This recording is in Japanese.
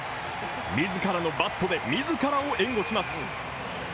自らのバットで自らを援護します。